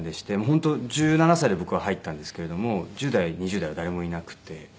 本当１７歳で僕は入ったんですけれども１０代２０代は誰もいなくて。